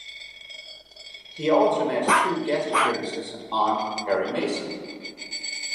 He also made two guest appearances on "Perry Mason".